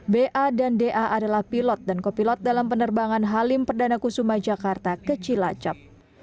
ba dan da adalah pilot dan kopilot dalam penerbangan halim perdana kusuma jakarta ke cilacap